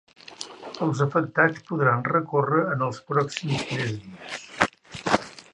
Els afectats podran recórrer en els pròxims tres dies.